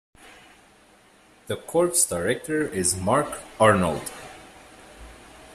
The corps director is Mark Arnold.